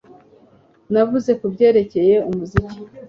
Navuze kubyerekeye umuziki